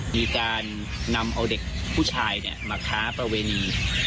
มีการนำเอาเด็กผู้ชายมาค้าประเวณี